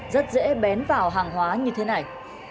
rất dễ bén vào hàng hóa như thế này